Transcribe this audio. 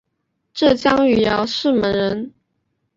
浙江余姚泗门人。